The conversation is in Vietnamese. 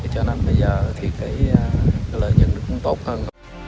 cho nên bây giờ thì cái lợi nhận cũng tốt hơn